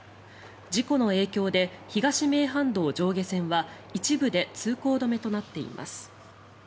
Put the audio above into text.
事故の影響で東名阪道上下線は一部で通行止めとなっています。